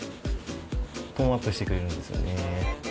トーンアップしてくれるんですよね。